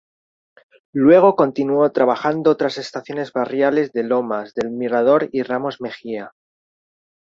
Luego continuó trabajando otras estaciones barriales de Lomas del Mirador y Ramos Mejía.